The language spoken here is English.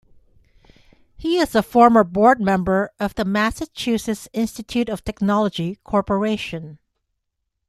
He is a former board member of the Massachusetts Institute of Technology Corporation.